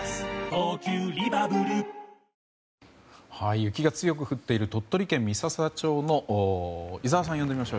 雪が強く降っている鳥取県三朝町の井澤さん、呼んでみましょう。